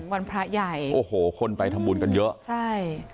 วันพระใหญ่โอ้โหคนไปทำบุญกันเยอะใช่